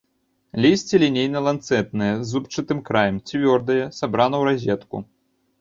Лісце лінейна-ланцэтнае з зубчастым краем, цвёрдае, сабрана ў разетку.